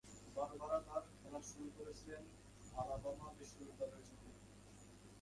Barbara তাঁর খেলা শুরু করেছিলেন আলাবামা বিশ্ববিদ্যালয়ের সাথে।